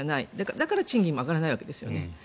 だから賃金も上がらないわけですよね。